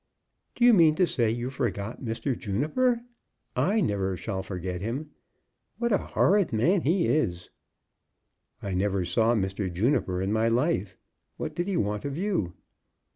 "Do you mean to say you forgot Mr. Juniper? I never shall forget him. What a horrid man he is!" "I never saw Mr. Juniper in my life. What did he want of you?"